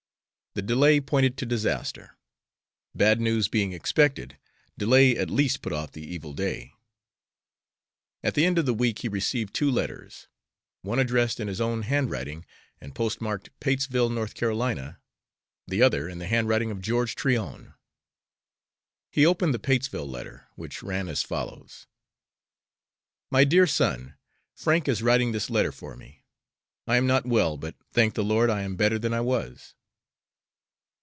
The delay pointed to disaster. Bad news being expected, delay at least put off the evil day. At the end of the week he received two letters, one addressed in his own hand writing and postmarked Patesville, N. C.; the other in the handwriting of George Tryon. He opened the Patesville letter, which ran as follows: MY DEAR SON, Frank is writing this letter for me. I am not well, but, thank the Lord, I am better than I was.